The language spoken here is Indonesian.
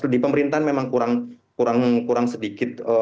di pemerintahan memang kurang sedikit